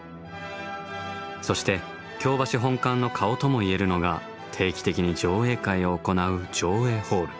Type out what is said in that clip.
そして京橋本館の顔とも言えるのが定期的に上映会を行う上映ホール。